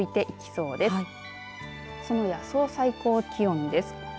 その予想最高気温です。